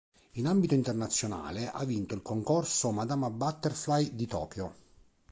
In ambito internazionale ha vinto il concorso Madama Butterfly di Tokyo.